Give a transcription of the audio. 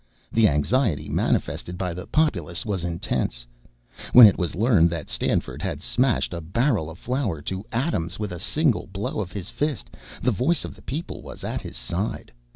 The anxiety manifested by the populace was intense. When it was learned that Stanford had smashed a barrel of flour to atoms with a single blow of his fist, the voice of the people was at his side.